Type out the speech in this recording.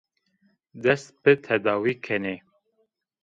Dest bi tedawî kenê